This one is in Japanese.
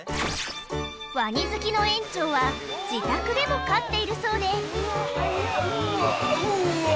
ワニ好きの園長は自宅でも飼っているそうで・うわ